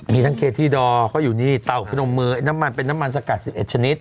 มีทั้งเคที่ดอร์เขาอยู่นี่เต่าพนมมือน้ำมันเป็นน้ำมันสกัด๑๑ชนิด